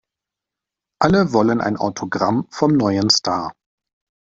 Alle wollen ein Autogramm vom neuen Star.